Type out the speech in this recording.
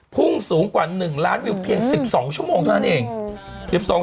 พุ่งสูงกว่า๑ล้านวิวเพียง๑๒ชั่วโมงเท่านั้นเอง